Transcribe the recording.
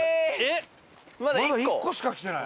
まだ１個しか来てない！